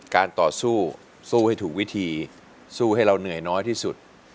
การต่อสู้สู้ให้ถูกวิธีสู้ให้เราเหนื่อยน้อยที่สุด